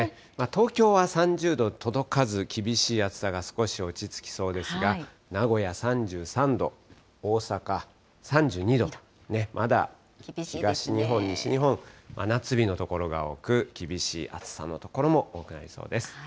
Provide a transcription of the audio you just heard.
東京は３０度届かず、厳しい暑さが少し落ち着きそうですが、名古屋３３度、大阪３２度と、まだ東日本、西日本、真夏日の所が多く、厳しい暑さの所も多くなりそうです。